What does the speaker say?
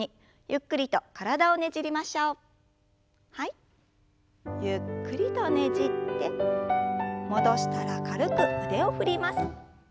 ゆっくりとねじって戻したら軽く腕を振ります。